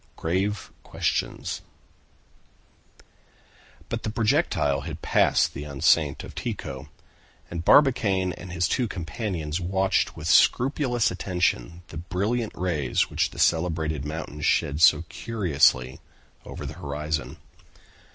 GRAVE QUESTIONS But the projectile had passed the enceinte of Tycho, and Barbicane and his two companions watched with scrupulous attention the brilliant rays which the celebrated mountain shed so curiously over the horizon.